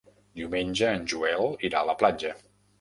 Diumenge en Joel irà a la platja.